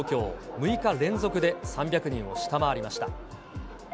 ６日連続で３００人を下回りました。